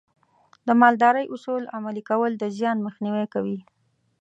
د مالدارۍ اصول عملي کول د زیان مخنیوی کوي.